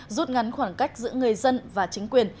rút ngắn khoảng cách giữa người dân và chính quyền